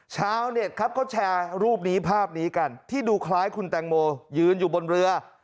ชาวเน็ตครับเขาแชร์รูปนี้ภาพนี้กันที่ดูคล้ายคุณแตงโมยืนอยู่บนเรือ